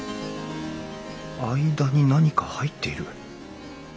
間に何か入っている。